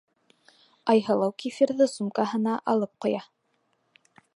Айһылыу кефирҙы сумкаһына алып ҡуя.